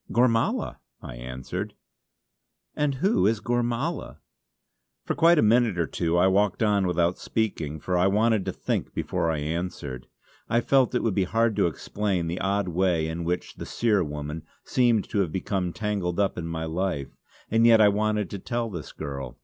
"Gormala!" I answered. "And who is Gormala?" For quite a minute or two I walked on without speaking, for I wanted to think before I answered. I felt that it would be hard to explain the odd way in which the Seer woman seemed to have become tangled up in my life; and yet I wanted to tell this girl.